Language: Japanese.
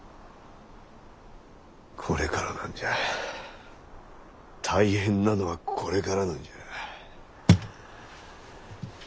これからなんじゃ大変なのはこれからなんじゃ。